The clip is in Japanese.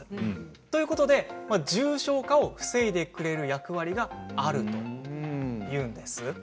ということで重症化を防いでくれる役割があるというんです。